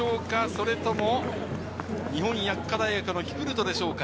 それとも日本薬科大学のキプルトでしょうか。